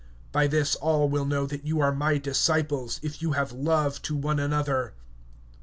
(35)By this shall all know that ye are my disciples, if ye have love one toward another.